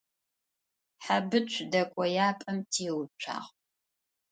Хьэбыцу дэкӏояпӏэм теуцуагъ.